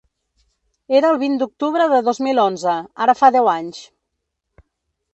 Era el vint d’octubre de dos mil onze, ara fa deu anys.